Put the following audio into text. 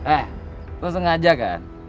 eh lo sengaja kan